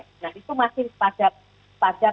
nah itu masih pada